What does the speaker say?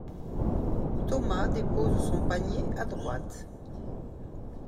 Thomas dépose son panier à droite.